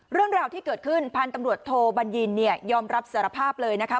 เรื่องราวที่เกิดขึ้นพันธบทบัญญินเนี่ยยอมรับสารภาพเลยนะครับ